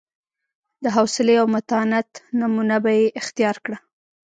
د حوصلې او متانت نمونه به یې اختیار کړه.